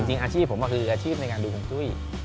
จริงอาชีพผมคืออาชีพในการดูฮงจุ้ย